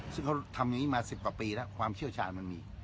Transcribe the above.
ซึ่งเขาทำอย่างนี้มา๑๐กว่าปีแล้วความเชี่ยวชาญมันมี